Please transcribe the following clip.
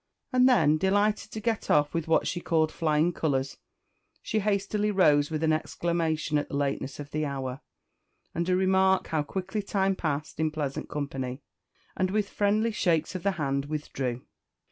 And then, delighted to get off with what she called flying colours, she hastily rose with an exclamation at the lateness of the hour, and a remark how quickly time passed in pleasant company; and, with friendly shakes of the hand, withdrew.